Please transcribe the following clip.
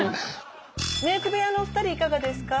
メーク部屋のお二人いかがですか。